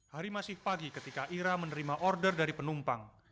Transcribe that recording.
hari masih pagi ketika ira menerima order dari penumpang